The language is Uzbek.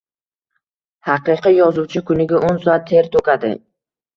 Haqiqiy yozuvchi kuniga oʻn soat ter toʻkadi